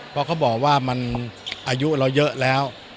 เพราะเขาบอกว่ามันอายุเราเยอะแล้ว